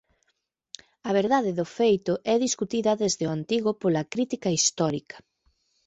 A verdade do feito é discutida desde antigo pola crítica histórica.